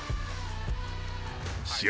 試合